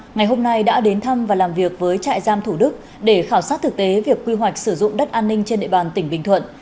ngày hôm nay đã đến thăm và làm việc với trại giam thủ đức để khảo sát thực tế việc quy hoạch sử dụng đất an ninh trên địa bàn tỉnh bình thuận